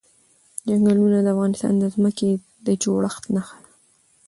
چنګلونه د افغانستان د ځمکې د جوړښت نښه ده.